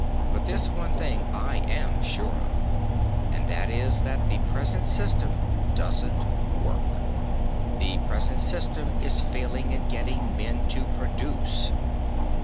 But this one thing I am sure of, and that is that the present system doesn't work. The present system is failing in getting men to produce.